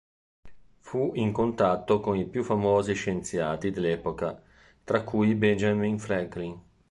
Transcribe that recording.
Fu in contatto con i più famosi scienziati dell'epoca, tra cui Benjamin Franklin.